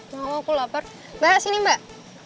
mau aku lapar mbak sini mbak